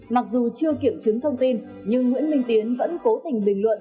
mặc dù chưa kiểm chứng thông tin nhưng nguyễn minh tiến vẫn cố tình bình luận